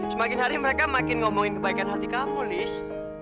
semakin hari mereka makin ngomongin kebaikan hati kamu list